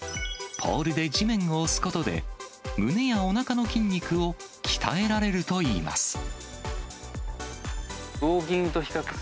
ポールで地面を押すことで、胸やおなかの筋肉を鍛えられるといいます。